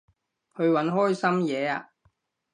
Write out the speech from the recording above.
去搵開心嘢吖